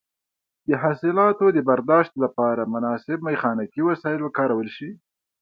د حاصلاتو د برداشت لپاره مناسب میخانیکي وسایل وکارول شي.